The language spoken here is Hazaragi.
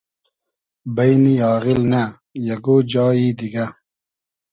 بݷن آغیل نۂ ! یئگۉ جایی دیگۂ